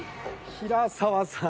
平沢さん。